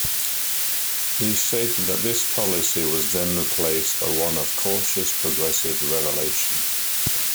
He stated that this policy was then replaced by one of cautious, progressive revelation.